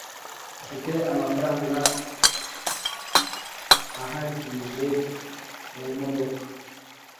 mfite amafaranga ahagije kumodoka